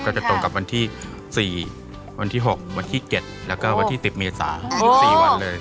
จะตรงกับวันที่๔วันที่๖วันที่๗แล้วก็วันที่๑๐เมษาอีก๔วันเลย